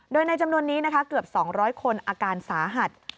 โดยในจำนวนนี้นะคะเกือบ๒๐๐คนอาการสาหัส